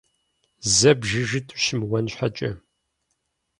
Зэ бжыжыт ущымыуэн щхьэкӀэ.